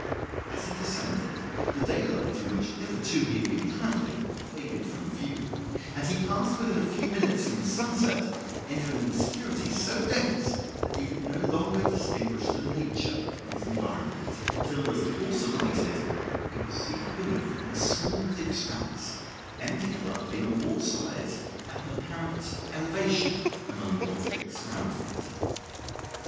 ] As he descended, the daylight in which hitherto he had been travelling faded from view, and he passed within a few minutes from sunset into an obscurity so dense that he could no longer distinguish the nature of his environment, till, as the horse alighted, he perceived beneath him a smooth expanse ending abruptly on all sides at an apparent elevation among the objects surrounding it.